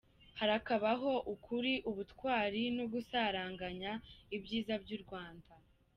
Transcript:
Harakabaho ukuri, ubutwari n’ugusaranganya ibyiza by’u Rwanda.